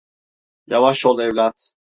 Yavaş ol evlat.